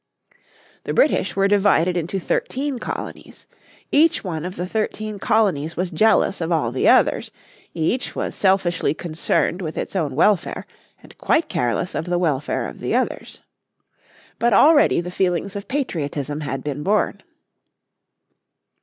The British were divided into thirteen colonies. Each one of the thirteen colonies was jealous of all the others; each was selfishly concerned with its own welfare and quite careless of the welfare of the others. But already the feelings of patriotism had been born.